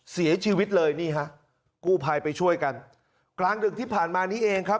เสียชีวิตเลยนี่ฮะกู้ภัยไปช่วยกันกลางดึกที่ผ่านมานี้เองครับ